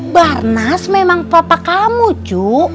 barnas memang papa kamu cu